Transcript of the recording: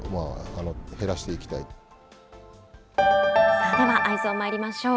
さあでは、Ｅｙｅｓｏｎまいりましょう。